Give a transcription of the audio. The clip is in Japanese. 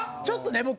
ちょっとね